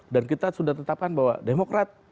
dan kita sudah tetapkan bahwa demokrat